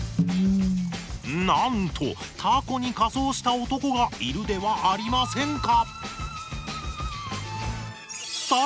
なんとタコに仮装した男がいるではありませんか！